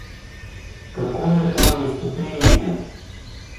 Какое там наступление!